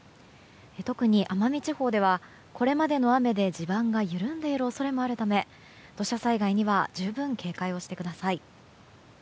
特に奄美地方ではこれまでの雨で地盤が緩んでいる恐れもあるため土砂災害には十分、警戒をしてください。